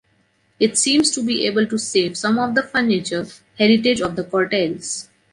It seems to be able to save some of the furniture, heritage of the Cordelles.